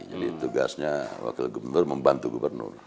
jadi tugas wakil gubernur membantu gubernur